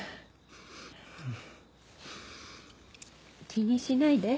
気にしないで。